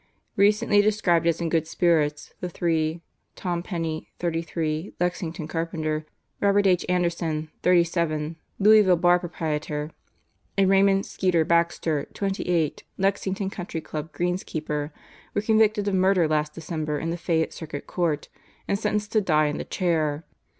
Recently described as in good spirits, the three Tom Penney, 33, Lexington carpenter, Robert H. Anderson, 37, Louis ville bar proprietor, and Raymond 'Skeeter' Baxter, 28, Lexing ton Country Club greenskeeper were convicted of murder last December in the Fayette Circuit Court and sentenced to die in the chair.